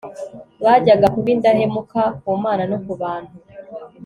bajyaga kuba indahemuka ku Mana no ku bantu